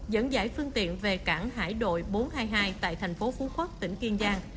dẫn giải phương tiện về cảng hải đội bốn trăm hai mươi hai tại thành phố phú quốc tỉnh kiên giang